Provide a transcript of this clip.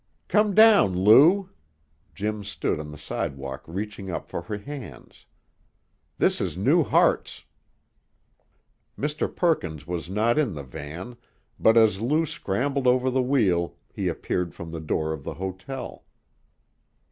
"Come down, Lou." Jim stood on the sidewalk reaching up for her hands. "This is New Hartz." Mr. Perkins was not in the van, but as Lou scrambled over the wheel he appeared from the door of the hotel.